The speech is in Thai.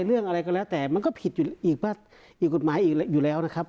เรื่องอะไรก็แล้วแต่มันก็ผิดอยู่อีกกฎหมายอีกอยู่แล้วนะครับ